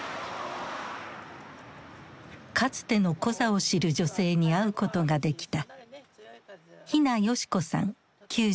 かつてのコザを知る女性に会うことができた。